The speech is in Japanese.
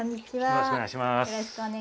よろしくお願いします。